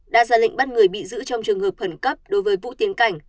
đã ra lệnh bắt người bị giữ trong trường hợp khẩn cấp đối với vũ tiến cảnh